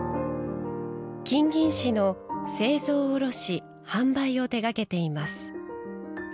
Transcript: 金銀糸の製造卸販売を手がけています。